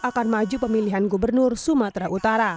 akan maju pemilihan gubernur sumatera utara